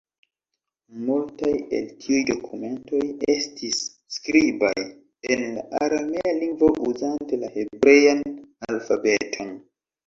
Multaj el tiuj dokumentoj estis skribaj en la aramea lingvo uzante la hebrean alfabeton.